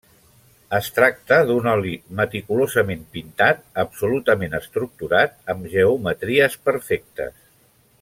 Es tracta d’un oli meticulosament pintat, absolutament estructurat amb geometries perfectes.